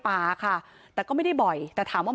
เพราะพ่อเชื่อกับจ้างหักขาวโพด